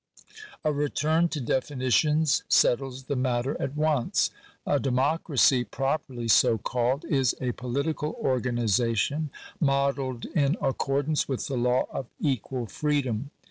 A return to definitions settles the matter at once. A democracy, properly so called, is a political organization modelled in accordance with the law of equal freedom.